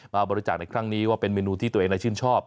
มาบริจาคในครั้งนี้ว่าเป็นเมนูที่ตัวเองชื่นชอบ